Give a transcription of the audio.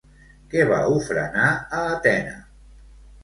Què va ofrenar a Atena?